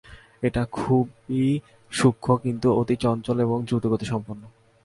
এটা খুবই সূক্ষ্ম কিন্তু অতি চঞ্চল ও দ্রুতগতিসম্পন্ন।